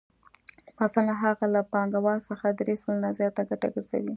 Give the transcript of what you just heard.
مثلاً هغه له پانګوال څخه درې سلنه زیاته ګټه ګرځوي